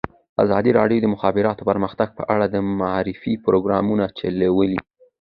ازادي راډیو د د مخابراتو پرمختګ په اړه د معارفې پروګرامونه چلولي.